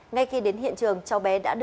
ngay khi đến hiện trường cháu bé đã được cứu